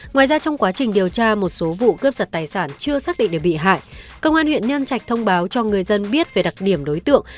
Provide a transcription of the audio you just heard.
ngoài ra trong quá trình điều tra một số vụ cướp giật tài sản chưa xác định được bị hại công an huyện nhân trạch thông báo cho người dân biết về đặc điểm đối tượng